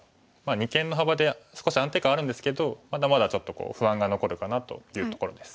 二間の幅で少し安定感あるんですけどまだまだちょっと不安が残るかなというところです。